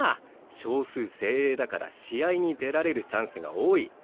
少数精鋭だから試合に出られるチャンスが多い。